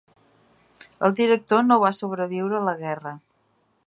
El director no va sobreviure a la guerra.